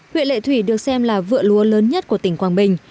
huyện lệ thủy được xem là vựa lúa lớn nhất của tỉnh quảng bình